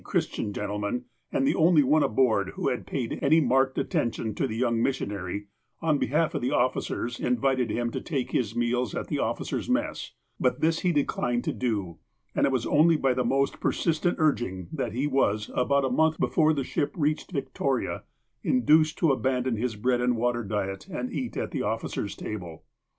Christian gentleman, and the only one aboard who had paid any marked attention to the young mis sionary, on behalf of the officers, invited him to take his meals at the officers' mess ; but this he declined to do, and it was only by the most persistent urging, that he was, about a mouth before the ship reached Victoria, induced to abandon his bread and water diet and eat at the officers' table.